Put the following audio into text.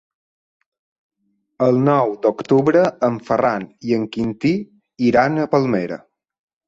El nou d'octubre en Ferran i en Quintí iran a Palmera.